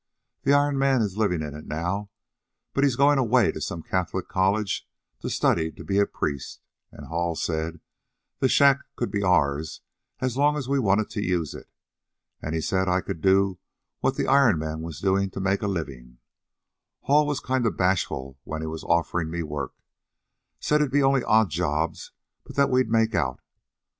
The Iron Man's livin' in it now, but he's goin' away to some Catholic college to study to be a priest, an' Hall said the shack'd be ours as long as we wanted to use it. An' he said I could do what the Iron Man was doin' to make a livin'. Hall was kind of bashful when he was offerin' me work. Said it'd be only odd jobs, but that we'd make out.